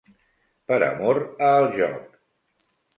Per amor a el joc.